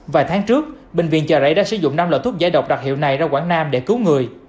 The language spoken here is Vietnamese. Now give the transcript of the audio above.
vài tháng trước bệnh viện chợ rẫy đã sử dụng năm loại thuốc giải độc đặc hiệu này ra quảng nam để cứu người